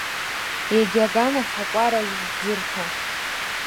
Егьи аганахь акәара Жьӡырҭа.